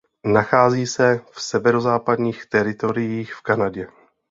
Nachází se v Severozápadních teritoriích v Kanadě.